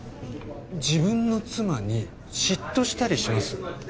自分の妻に嫉妬したりします？